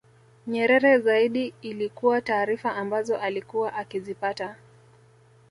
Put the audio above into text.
Nyerere zaidi ilikuwa taarifa ambazo alikuwa akizipata